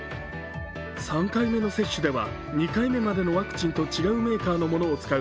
３回目の接種では、２回目までのワクチンと違うメーカーのものを使う